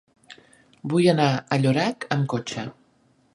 Vull anar a Llorac amb cotxe.